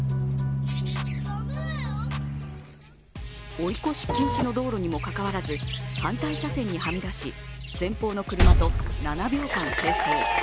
追い越し禁止の道路にもかかわらず、反対車線にはみ出し、前方の車と７秒間、並走。